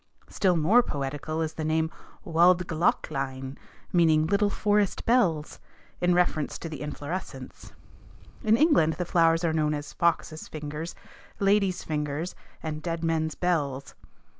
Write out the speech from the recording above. Still more poetical is the name Wald glöcklein, meaning little forest bells, in reference to the inflorescence. In England the flowers are known as foxes' fingers, ladies' fingers and dead men's bells.